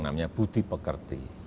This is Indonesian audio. namanya budi pekerti